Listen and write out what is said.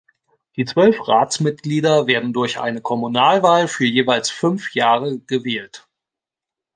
Die zwölf Ratsmitglieder werden durch eine Kommunalwahl für jeweils fünf Jahre gewählt.